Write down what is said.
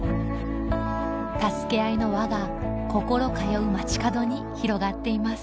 助け合いの輪がココロ通う街角に広がっています